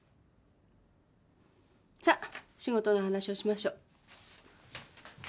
さあ仕事の話をしましょう。